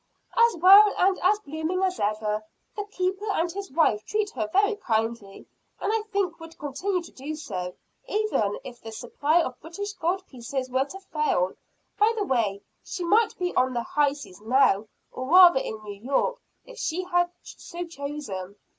"As well and as blooming as ever. The keeper and his wife treat her very kindly and I think would continue to do so even if the supply of British gold pieces were to fail. By the way, she might be on the high seas now or rather in New York if she had so chosen."